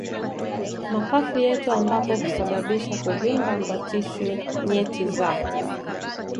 mapafu yetu ambapo husababisha kuvimba kwa tishu nyeti za